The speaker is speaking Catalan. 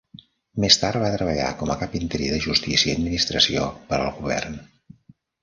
Més tard, va treballar com a cap interí de Justícia i Administració per al govern.